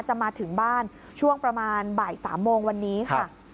จะมาถึงบ้านช่วงประมาณบ่าย๓โมงวันนี้ค่ะ